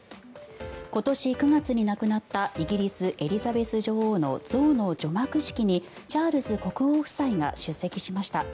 今年９月に亡くなったイギリス、エリザベス女王の像の除幕式にチャールズ国王夫妻が出席しました。